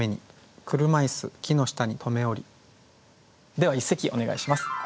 では一席お願いします。